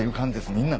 みんなね。